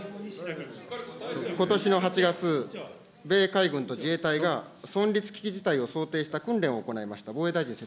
ことしの８月、米海軍と自衛隊が、存立危機事態を想定した訓練を行いました。